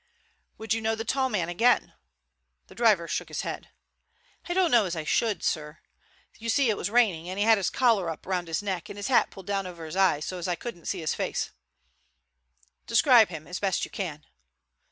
"Would you know the tall man again?" The driver shook his head. "I don't know as I should, sir. You see, it was raining, and he had his collar up round his neck and his hat pulled down over his eyes, so as I couldn't right see his face." "Describe him as best you can."